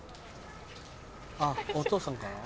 あっお父さんかな。